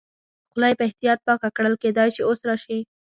خوله یې په احتیاط پاکه کړل، کېدای شي اوس راشي.